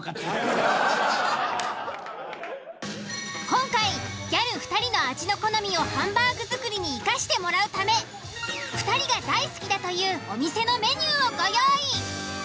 今回ギャル２人の味の好みをハンバーグ作りに生かしてもらうため２人が大好きだというお店のメニューをご用意。